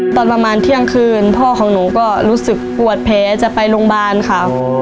ตอนประมาณเที่ยงคืนพ่อของหนูก็รู้สึกปวดแผลจะไปโรงพยาบาลค่ะ